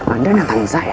anda nakalisah ya